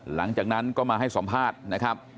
หลังจากนั้นก็มาให้สัมภาษณ์นะครับ